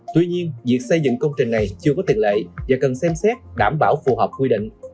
tuy nhiên việc xây dựng công trình này chưa có tiền lệ và cần xem xét đảm bảo phù hợp quy định